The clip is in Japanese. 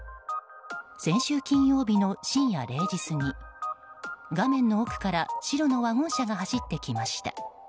先週金曜日の深夜０時過ぎ画面の奥から白のワゴン車が走ってきました。